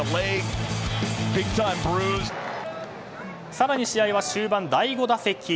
更に試合は終盤、第５打席。